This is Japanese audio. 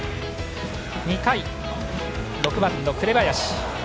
２回、６番の紅林。